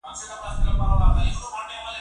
د حیرانۍ پینځم فصل